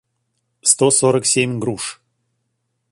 сто сорок семь груш